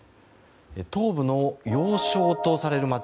東部の要衝とされる街